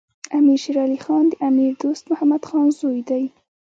امیر شیر علی خان د امیر دوست محمد خان زوی دی.